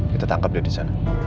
kita tangkap dia disana